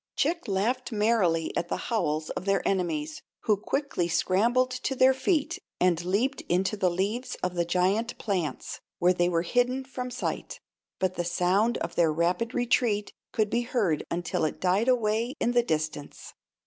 Chick laughed merrily at the howls of their enemies, who quickly scrambled to their feet and leaped into the leaves of the giant plants, where they were hidden from sight. But the sound of their rapid retreat could be heard until it died away in the distance.